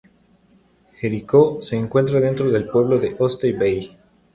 Jericho se encuentra dentro del pueblo de Oyster Bay.